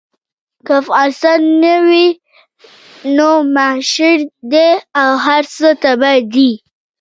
که افغانستان نه وي نو محشر دی او هر څه تباه دي.